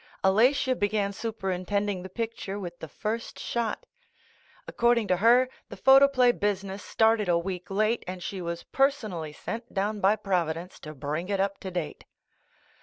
Alatia began superintending the picture with the first shot. According to her, the photoplay business started a week late and she was personally sent down by Providence to bring it up to date.